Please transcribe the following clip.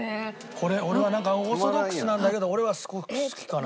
これ俺はなんかオーソドックスなんだけど俺はすごく好きかな。